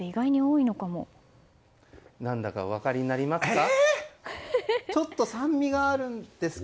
何だかお分かりになりますか？